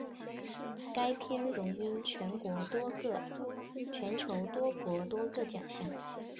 该片荣膺全球多国多个奖项。